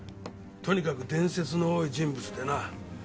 とにかく伝説の多い人物でな。